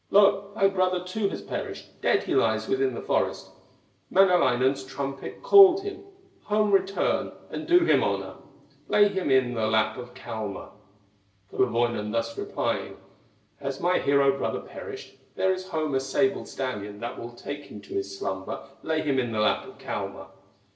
thy brother too has perished, Dead he lies within the forest, Manalainen's trumpet called him; Home return and do him honor, Lay him in the lap of Kalma." Kullerwoinen thus replying: "Has my hero brother perished, There is home a sable stallion That will take him to his slumber, Lay him in the lap of Kalma."